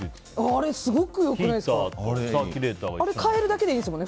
あれ、すごく良くないですか。